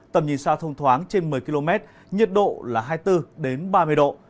tầm nhìn xa thông thoáng trên một mươi km nhiệt độ là hai mươi bốn ba mươi độ